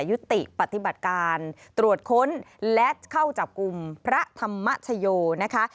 ยุติปฏิบัติการตรวจค้นและเข้าจับกลุ่มพระธรรมชโยนะคะ